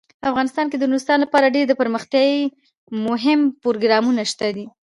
افغانستان کې د نورستان لپاره ډیر دپرمختیا مهم پروګرامونه شته دي.